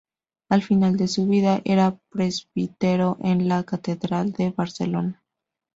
Al final de su vida era presbítero en la catedral de Barcelona.